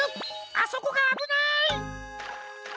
あそこがあぶない！